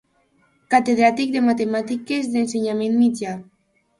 Catedràtic de Matemàtiques d'Ensenyament Mitjà.